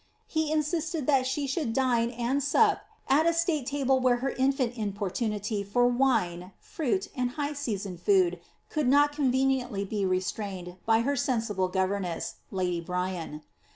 He insisted that she should dine and sup at a state table where her infant importunity for wine, fruit, and high seasoned food could not conveniently be re strained by her sensible governess, lady Bryan.